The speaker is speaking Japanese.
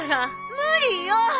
無理よ！